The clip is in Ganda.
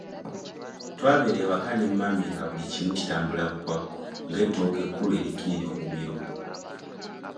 Twabeera ewaka ne mami era nga buli kimu kitambula bukwakku ng'ettooke ekkulu erikkirira omumiro.